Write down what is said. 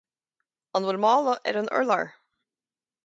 An bhfuil mála ar an urlár